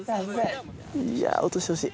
・いや落としてほしい。